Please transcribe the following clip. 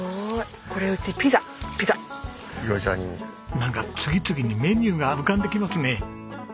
なんか次々にメニューが浮かんできますね。